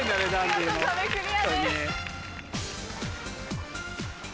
見事壁クリアです。